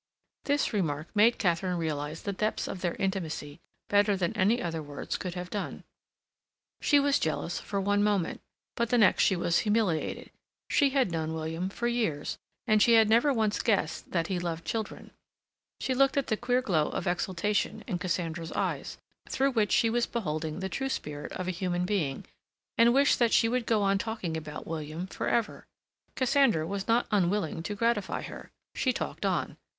This remark made Katharine realize the depths of their intimacy better than any other words could have done; she was jealous for one moment; but the next she was humiliated. She had known William for years, and she had never once guessed that he loved children. She looked at the queer glow of exaltation in Cassandra's eyes, through which she was beholding the true spirit of a human being, and wished that she would go on talking about William for ever. Cassandra was not unwilling to gratify her. She talked on.